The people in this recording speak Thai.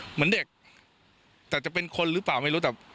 เหมือนเด็กแต่จะเป็นคนหรือเปล่าไม่รู้แต่